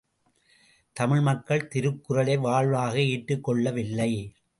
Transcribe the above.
தமிழ் மக்கள் திருக்குறளை வாழ்வாக ஏற்றுக் கொள்ளவில்லை.